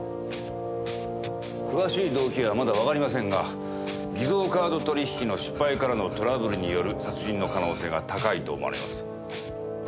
詳しい動機はまだわかりませんが偽造カード取引の失敗からのトラブルによる殺人の可能性が高いと思われます。